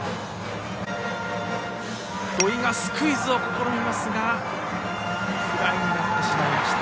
土居がスクイズを試みますがフライになってしまいました。